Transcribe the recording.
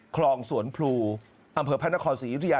คลองสวนพลูอำเภอพระนครศรียุธยา